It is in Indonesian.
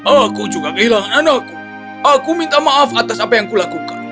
aku juga kehilangan anakku aku minta maaf atas apa yang kulakukan